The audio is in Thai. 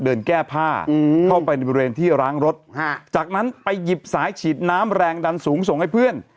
เดินแก้ผ้าเข้าไปในบริเวณที่ล้างรถจากนั้นไปหยิบสายฉีดน้ำแรงดันสูงส่งให้เพื่อน